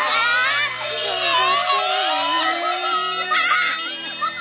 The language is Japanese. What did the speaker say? きれい！